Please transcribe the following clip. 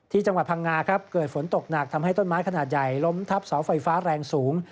จังหวัดพังงาครับเกิดฝนตกหนักทำให้ต้นไม้ขนาดใหญ่ล้มทับเสาไฟฟ้าแรงสูง